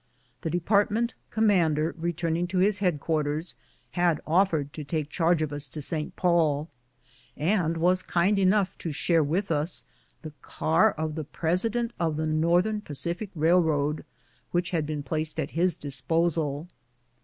The Department Commander, returning to his head quarters, had ojffered to take charge of us to St. Paul, and was kind enough to share with us the ear of the President of the Northern Pacific Eailroad, which had been placed at his disposal.